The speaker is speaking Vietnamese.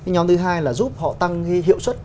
nhóm thứ hai là giúp họ tăng hiệu suất